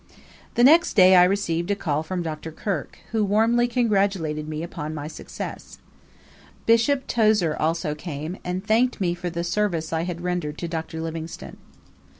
The next day I received a call from Dr. Kirk, who warmly congratulated me upon my success. Bishop Tozer also came, and thanked me for tie service I had rendered to Dr. Livingstone.